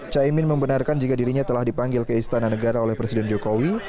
caimin membenarkan jika dirinya telah dipanggil ke istana negara oleh presiden jokowi